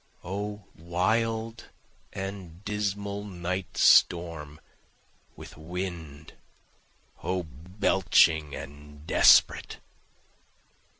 O wild and dismal night storm, with wind O belching and desperate!